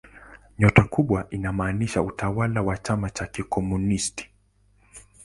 Nyota kubwa inamaanisha utawala wa chama cha kikomunisti.